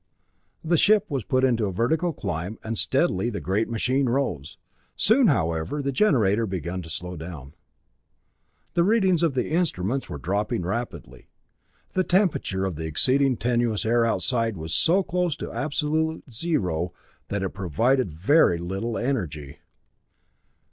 The ship was put into a vertical climb, and steadily the great machine rose. Soon, however, the generator began to slow down. The readings of the instruments were dropping rapidly. The temperature of the exceedingly tenuous air outside was so close to absolute zero that it provided very little energy.